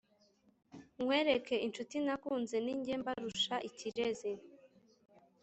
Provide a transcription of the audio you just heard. Nkwereke inshuti nakunze ni njye mbarusha ikirezi